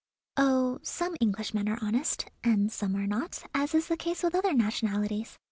"Oh, some Englishmen are honest, and some are not, as is the case with other nationalities.